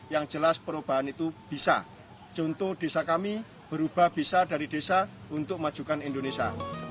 yang jelas perubahan itu bisa contoh desa kami berubah bisa dari desa untuk majukan indonesia